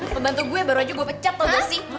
pembantu gue baru aja gue pecat tau gak sih